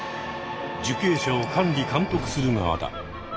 受刑者を管理・監督する側だ。